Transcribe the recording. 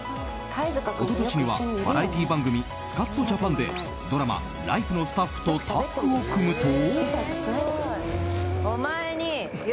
一昨年にはバラエティー番組「スカッとジャパン」でドラマ「ライフ」のスタッフとタッグを組むと。